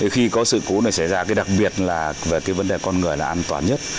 khi có sự cố này xảy ra đặc biệt là vấn đề con người là an toàn nhất